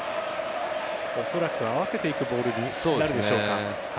おそらく合わせていくボールになるでしょうか。